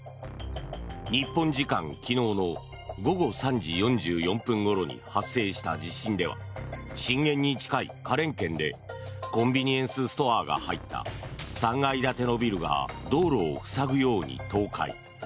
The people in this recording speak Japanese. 日本時間昨日の午後３時４４分ごろに発生した地震では震源に近い花蓮県でコンビニエンスストアが入った３階建てのビルが道路を塞ぐように倒壊。